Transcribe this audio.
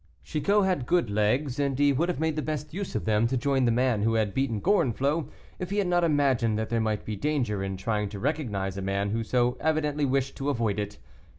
Chicot had good legs, and he would have made the best use of them to join the man who had beaten Gorenflot if he had not imagined that there might be danger in trying to recognize a man who so evidently wished to avoid it.